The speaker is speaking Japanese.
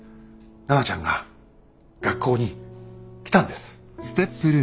奈々ちゃんが学校に来たんです。